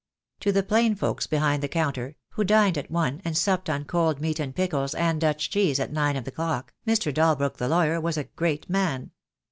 To the plain folks behind the counter, who dined at one and supped on cold meat and pickles and Dutch cheese at nine of the clock, Mr. Dalbrook, the lawyer, was a great man.